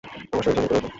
আমার শরীর ঝনঝন করে উঠল।